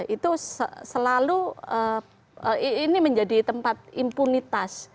itu selalu ini menjadi tempat impunitas